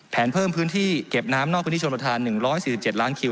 เพิ่มพื้นที่เก็บน้ำนอกพื้นที่ชนประธาน๑๔๗ล้านคิว